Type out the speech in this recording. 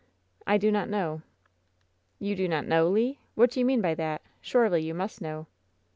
'' "I do not know." "You do not know, Le? What do you mean by that? Surely you must know!"